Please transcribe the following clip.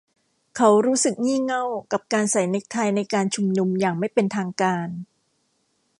เขารู้สึกงี่เง่ากับการใส่เน็คไทในการชุมนุมอย่างไม่เป็นทางการ